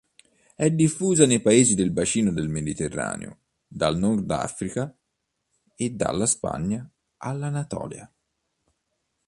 È diffusa nei paesi del bacino del Mediterraneo, dal Nordafrica e dalla Spagna all'Anatolia..